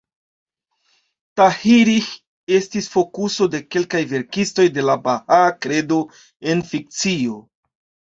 Tahirih estis fokuso de kelkaj verkistoj de la Bahaa Kredo en fikcio.